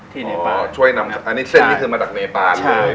ที่เนปานอ๋อช่วยนำอันนี้เส้นนี้คือมาจากเนปานเลยนะฮะ